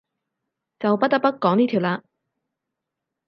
就不得不講呢條喇